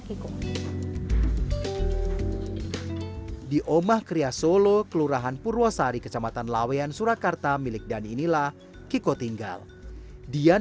kiko di omah kriasolo kelurahan purwosari kecamatan laweyan surakarta milik dan inilah kiko tinggal dian